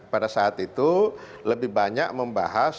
pada saat itu lebih banyak membahas